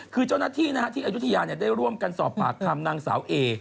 คือเจ้าหน้าที่ที่อายุทยาได้ร่วมกันสอบปากคำนางสาวเอ